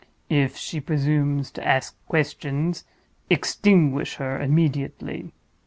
If she presumes to ask questions, extinguish her immediately.